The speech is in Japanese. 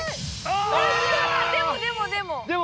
でもでもでも。